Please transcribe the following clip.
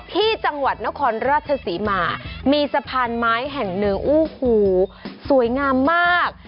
ที่จังหวัดนครราชศรีมามีสะพานไม้แห่งหนึ่งโอ้โหสวยงามมาก